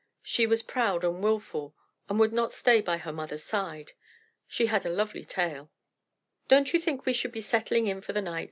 She was proud and wilful, and would not stay by her mother's side.... She had a lovely tail." "Don't you think we should be settling in for the night?"